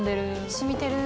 染みてる。